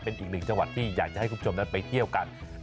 เป็นอีกหนึ่งจังหวัดที่อยากจะให้คุณผู้ชมนั้นไปเที่ยวกัน